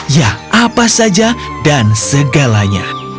ya apa saja dan segalanya